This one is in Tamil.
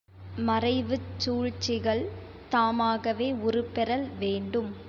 மறைவுச் சூழ்ச்சிகள், தாமாகவே உருப்பெறல் வேண்டும்.